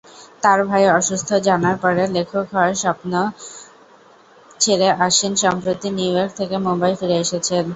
তার ভাই অসুস্থ জানার পরে লেখক হওয়ার স্বপ্ন ছেড়ে আশ্বিন সম্প্রতি নিউইয়র্ক থেকে মুম্বাই ফিরে এসেছেন।